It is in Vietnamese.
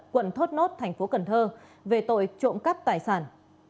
quận thốt nốt tp cần thơ về tội trộm cắp tài sản